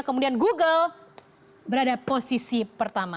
kemudian google berada posisi pertama